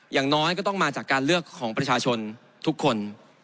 อย่างน้อยก็ต้องมาจากการเลือกของประชาชนทุกคน